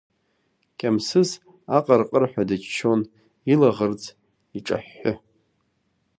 Кьамсыс аҟырҟырҳәа дыччон, илаӷырӡ иҿаҳәҳәы.